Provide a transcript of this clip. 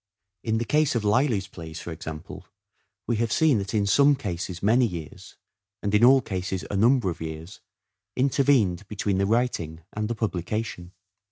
In the case of Lyly's plays, for example, we have seen that in some cases many years, and in all cases a number of years intervened between the writing and the publica tion.